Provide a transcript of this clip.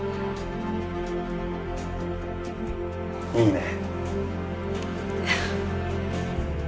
いいね。